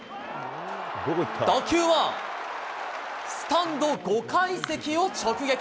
打球はスタンド５階席を直撃。